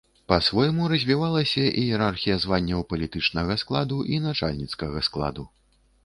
Па-свойму развівалася іерархія званняў палітычнага складу і начальніцкага складу.